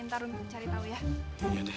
ntar rung cari tau ya